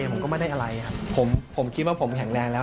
ผมก็ไม่ได้อะไรครับผมคิดว่าผมแข็งแรงแล้ว